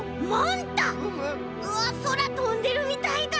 うわっそらとんでるみたいだ！